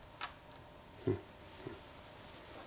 うん。